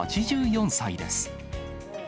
８４歳です。